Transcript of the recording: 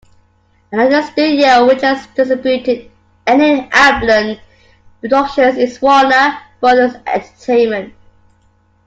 Another studio which has distributed many Amblin productions is Warner Brothers Entertainment.